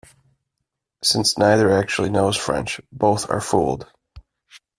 Since neither actually knows French, both are fooled.